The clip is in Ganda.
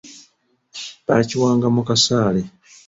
Bakiwanga mu kasaale.